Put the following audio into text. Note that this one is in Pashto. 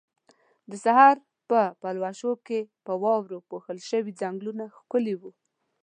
د سحر په پلوشو کې په واورو پوښل شوي ځنګلونه ښکلي وو.